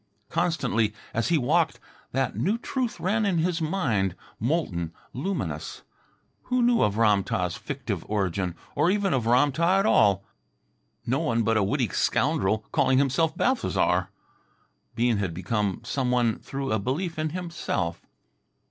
Constantly as he walked that new truth ran in his mind, molten, luminous. Who knew of Ram tah's fictive origin, or even of Ram tah at all? No one but a witty scoundrel calling himself Balthasar. Bean had become some one through a belief in himself.